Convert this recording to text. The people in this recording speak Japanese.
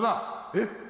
えっ。